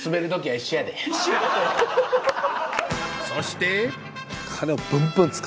［そして］